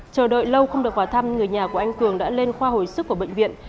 chờ đợi lâu không được vào thăm người nhà của anh cường đã lên khoa hồi sức của bệnh viện